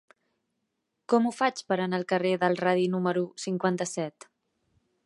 Com ho faig per anar al carrer del Radi número cinquanta-set?